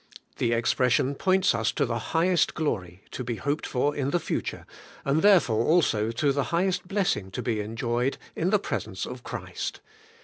The expression points us to the highest glory to be hoped for in the future, and therefore also to the highest blessing to be enjoyed in the present in Christ.